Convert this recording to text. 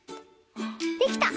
できた！